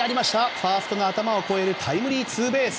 ファーストの頭を越えるタイムリーツーベース。